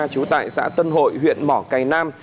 chú tại xã tân hội huyện mỏ cây nam